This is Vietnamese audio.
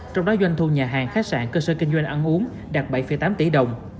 trong đó doanh thu nhà hàng khách sạn cơ sở kinh doanh ăn uống đạt bảy tám tỷ đồng